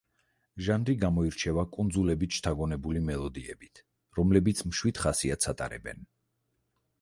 ჟანრი გამოირჩევა კუნძულებით შთაგონებული მელოდიებით, რომლებიც მშვიდ ხასიათს ატარებენ.